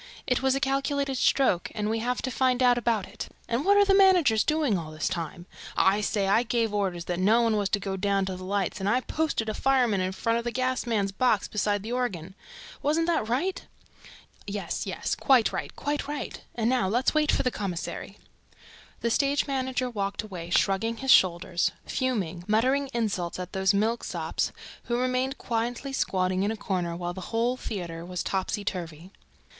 It was a calculated stroke and we have to find out about it ... And what are the managers doing all this time? ... I gave orders that no one was to go down to the lights and I posted a fireman in front of the gas man's box beside the organ. Wasn't that right?" "Yes, yes, quite right, quite right. And now let's wait for the commissary." The stage manager walked away, shrugging his shoulders, fuming, muttering insults at those milksops who remained quietly squatting in a corner while the whole theater was topsyturvy.